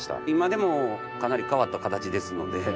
今でもかなり変わった形ですので。